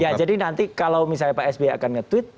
ya jadi nanti kalau misalnya pak sby akan nge tweet